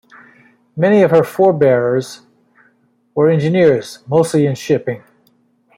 Many of her forebears were engineers, mostly in shipping.